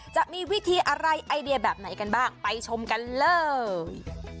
จะมีวิธีอะไรไอเดียแบบไหนกันบ้างไปชมกันเลย